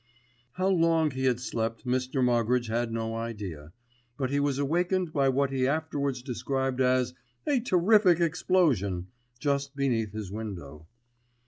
How long he had slept Mr. Moggridge had no idea; but he was awakened by what he afterwards described as "a terrific explosion" just beneath his window.